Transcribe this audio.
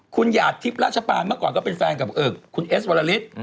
คุณหยาดทิพย์ราชปานเมื่อก่อนก็เป็นแฟนกับคุณเอสวรลิศ